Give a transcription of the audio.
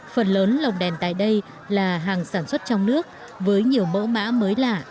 phần lớn lồng đèn tại đây là hàng sản xuất trong nước với nhiều mẫu mã mới lạ